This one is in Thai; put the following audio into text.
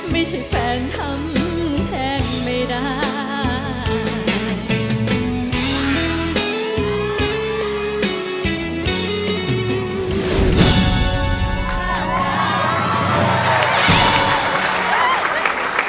ไม่ใช่แฟนทำแทนไม่ได้